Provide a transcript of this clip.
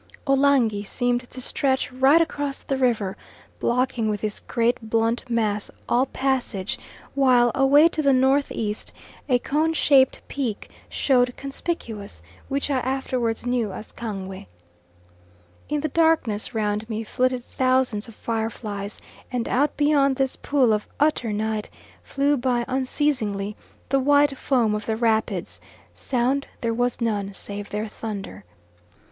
Olangi seemed to stretch right across the river, blocking with his great blunt mass all passage; while away to the N.E. a cone shaped peak showed conspicuous, which I afterwards knew as Kangwe. In the darkness round me flitted thousands of fire flies and out beyond this pool of utter night flew by unceasingly the white foam of the rapids; sound there was none save their thunder.